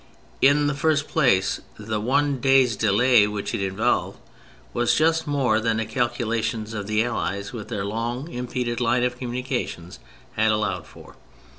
In the first place, the one day's delay which it involved was just more than the calculations of the Allies, with their long impeded line of communications, had allowed for.